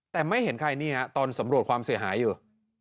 แต่ไม่เห็นใครนี่ฮะตอนสำรวจความเสียหายอยู่